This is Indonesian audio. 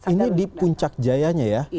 ini di puncak jaya nya ya